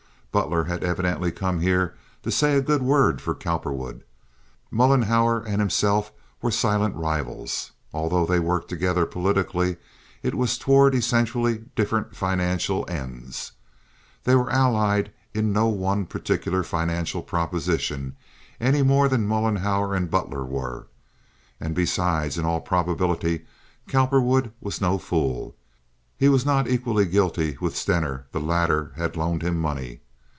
Butler had evidently come here to say a good word for Cowperwood. Mollenhauer and himself were silent rivals. Although they worked together politically it was toward essentially different financial ends. They were allied in no one particular financial proposition, any more than Mollenhauer and Butler were. And besides, in all probability Cowperwood was no fool. He was not equally guilty with Stener; the latter had loaned him money.